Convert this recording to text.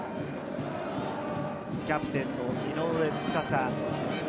キャプテンの井上斗嵩。